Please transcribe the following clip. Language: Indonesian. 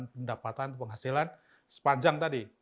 mendapatkan pendapatan penghasilan sepanjang tadi